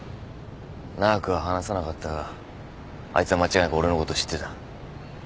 長くは話さなかったがあいつは間違いなく俺のこと知ってた。